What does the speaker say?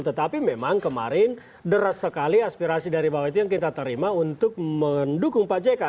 tetapi memang kemarin deras sekali aspirasi dari bawah itu yang kita terima untuk mendukung pak jk